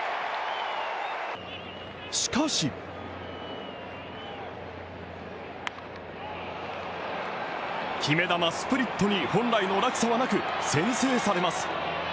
しかし決め球・スプリットに本来の落差はなく先制されます。